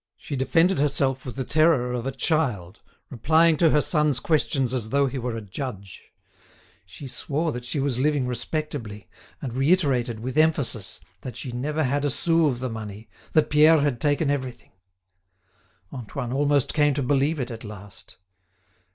She defended herself with the terror of a child, replying to her son's questions as though he were a judge; she swore that she was living respectably, and reiterated with emphasis that she had never had a sou of the money, that Pierre had taken everything. Antoine almost came to believe it at last.